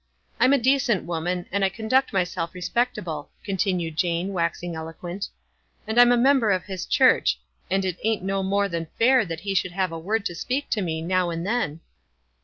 I'm a decent woman, and I conduct myself respec table," continued Jane, waxing eloquent ;" and I'm a member of his church, and it ain't no more than fair that he should have a word to speak to me, now and then."